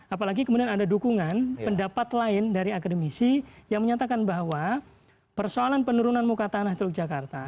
apalagi kemudian ada dukungan pendapat lain dari akademisi yang menyatakan bahwa persoalan penurunan muka tanah teluk jakarta